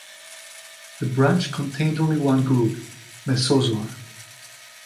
The branch contained only one group: Mesozoa.